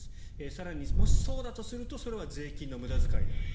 更に、もしそうだとするとそれは税金の無駄遣いである。